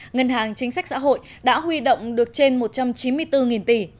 ngân hàng chính sách xã hội đã huy động được trên một trăm chín mươi bốn tỷ